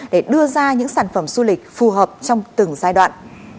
để đưa ra những sản phẩm du lịch phù hợp trong từng giai đoạn